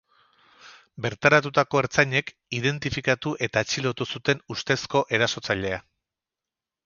Bertaratutako ertzainek identifikatu eta atxilotu zuten ustezko erasotzailea.